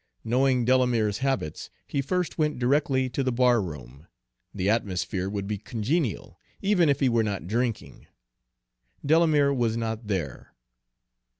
Knowing Delamere's habits, he first went directly to the bar room, the atmosphere would be congenial, even if he were not drinking. Delamere was not there.